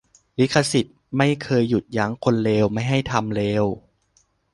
ลิขสิทธิ์ไม่เคยหยุดยั้งคนเลวไม่ให้ทำเลว